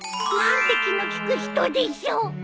何て気の利く人でしょう。